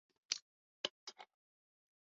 不过可以列举一些粗略的特征。